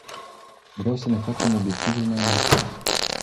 Vreau să ne facem obiectivul mai ambițios.